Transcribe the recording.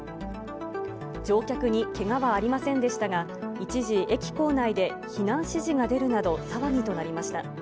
乗客にけがはありませんでしたが、一時、駅構内で避難指示が出るなど騒ぎとなりました。